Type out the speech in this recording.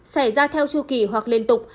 xảy ra theo chu kỷ hoặc liên tục